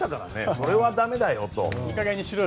それはだめだよと。